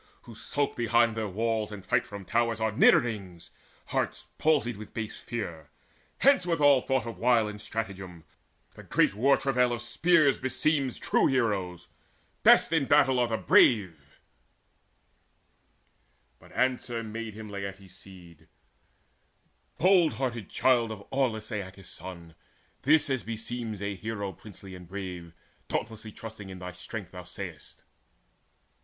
Who skulk behind their walls, and fight from towers, Are nidderings, hearts palsied with base fear. Hence with all thought of wile and stratagem! The great war travail of the spear beseems True heroes. Best in battle are the brave." But answer made to him Laertes' seed: "Bold hearted child of aweless Aeacus' son, This as beseems a hero princely and brave, Dauntlessly trusting in thy strength, thou say'st.